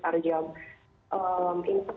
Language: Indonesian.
siangnya jadi hampir sama dengan